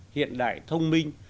hiện đại thông minh